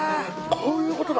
こういう事だ。